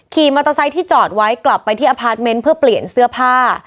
ขี่มอเตอร์ไซค์ที่จอดไว้กลับไปที่อพาร์ทเมนต์เพื่อเปลี่ยนเสื้อผ้า